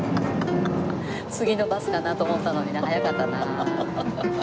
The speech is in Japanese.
次のバスだなと思ったのにな早かったな。